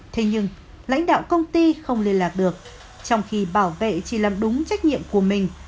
thế nhưng lãnh đạo công ty không liên lạc được trong khi bảo vệ chỉ làm đúng trách nhiệm của mình